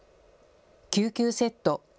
救急セット。